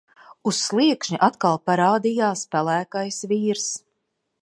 Uz sliekšņa atkal parādījās pelēkais vīrs.